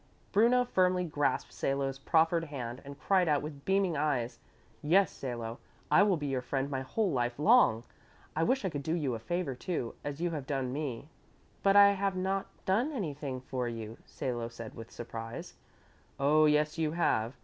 Bruno firmly grasped Salo's proffered hand and cried out with beaming eyes, "Yes, Salo, I will be your friend my whole life long. I wish I could do you a favor, too, as you have done me." "But I have not done anything for you," Salo said with surprise. "Oh, yes, you have.